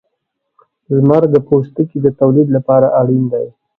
• لمر د پوستکي د تولید لپاره اړین دی.